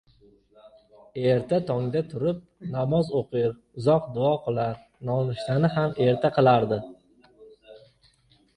Erta tongda turib, namoz o`qir, uzoq duo qilar, nonushtani ham erta qilardi